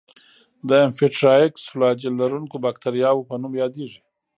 د امفيټرایکس فلاجیل لرونکو باکتریاوو په نوم یادیږي.